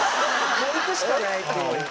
もう行くしかないっていう。